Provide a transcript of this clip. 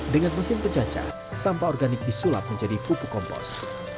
dengan mesin pecacah sampah organik disulap menjadi pupuk kompos